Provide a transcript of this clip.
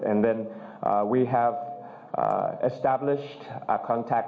และศาลทางมัน